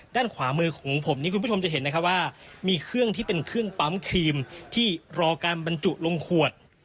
ด้านขวามือของผมนี่คุณผู้ชมจะเห็นนะคะว่ามีเครื่องที่เป็นเครื่องปั๊มครีมที่รอการบรรจุลงขวด